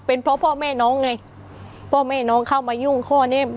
เป็นเพราะพ่อแม่น้องไงพ่อแม่น้องเข้ามายุ่งข้อนี้